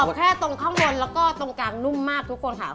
เอาแค่ตรงข้างบนแล้วก็ตรงกลางนุ่มมากทุกคนค่ะ